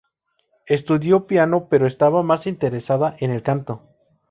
Estudió piano pero estaba más interesada en el canto.